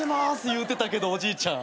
言うてたけどおじいちゃん。